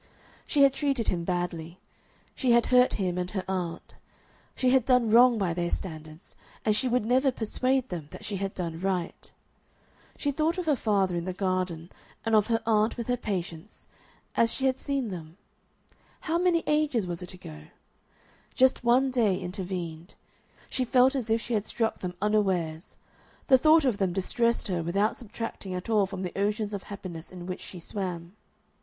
She had treated him badly; she had hurt him and her aunt; she had done wrong by their standards, and she would never persuade them that she had done right. She thought of her father in the garden, and of her aunt with her Patience, as she had seen them how many ages was it ago? Just one day intervened. She felt as if she had struck them unawares. The thought of them distressed her without subtracting at all from the oceans of happiness in which she swam.